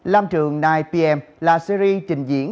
lam trường chín pm là series trình diễn